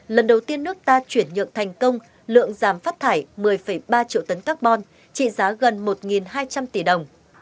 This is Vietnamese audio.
lần đầu tiên nước ta chuyển nhượng thành công lượng giảm phát thải một mươi ba triệu tấn carbon trị giá gần một hai trăm linh tỷ đồng